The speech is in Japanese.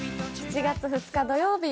７月２日土曜日